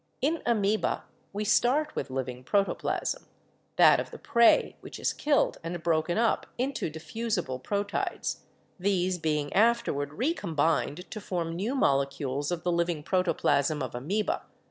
In Amoeba we start with living protoplasm — that of the prey which is killed and broken up into diffusible proteids, these being afterward recombined to form new molecules of the living protoplasm of Amoeba.